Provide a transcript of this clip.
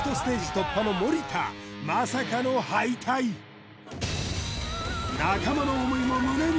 突破の森田まさかの敗退仲間の思いも胸に！